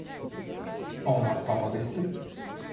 А у нас папа гостит.